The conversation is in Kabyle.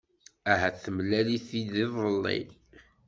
Ahat temlal-it-id iḍelli.